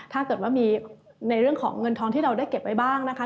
ถ้าเกิดว่ามีในเรื่องของเงินทองที่เราได้เก็บไว้บ้างนะคะ